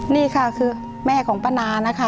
นี่ค่ะคือแม่ของป้านานะคะ